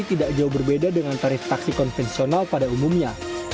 tidak jauh berbeda dengan tarif taksi konvensional pada umumnya